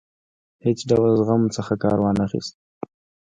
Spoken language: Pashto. هیڅ ډول زغم څخه کار وانه خیست.